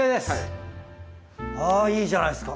あいいじゃないですか。